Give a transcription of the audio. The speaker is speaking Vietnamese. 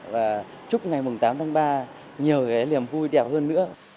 và chúc ngày tám tháng ba nhiều cái niềm vui đẹp hơn nữa